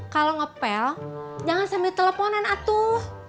kalau ngepel jangan sampai teleponan atuh